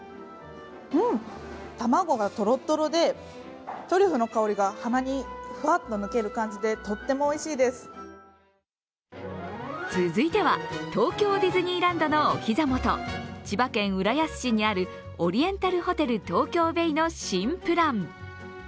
うん、卵がトロトロで、トリュフの香りが鼻にふわっと抜ける感じで、とってもおいしいです続いては東京ディズニーランドのお膝元千葉県浦安市にあるオリエンタルホテル東京ベイの新プラン。